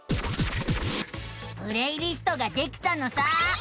プレイリストができたのさあ。